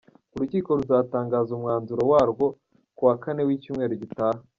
Urukiko ruzatangaza umwanzuro warwo kuwa Kane w’icyumweru gitaha.